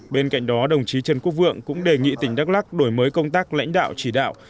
bên cạnh đó đồng chí trần quốc vượng cũng đề nghị tỉnh đắk lắc đổi mới công tác lãnh đạo chỉ đạo